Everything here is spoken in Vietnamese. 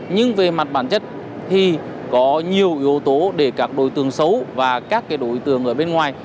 nhưng về mặt bản chất thì có nhiều yếu tố để các đối tượng xấu và các đối tượng ở bên ngoài